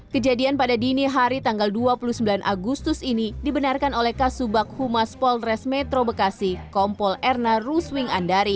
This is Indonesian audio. kejadian pada dini hari tanggal dua puluh sembilan agustus ini dibenarkan oleh kasubag humas polres metro bekasi kompol erna ruswing andari